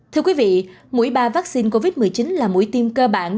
thưa quý vị mũi ba vaccine covid một mươi chín là mũi tiêm cơ bản